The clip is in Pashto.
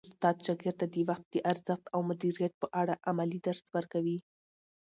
استاد شاګرد ته د وخت د ارزښت او مدیریت په اړه عملي درس ورکوي.